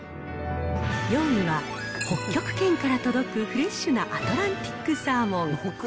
４位は北極圏から届くフレッシュなアトランティックサーモン。